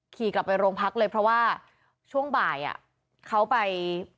ขี่กลับไปโรงพักเลยเพราะว่าช่วงบ่ายเขาไป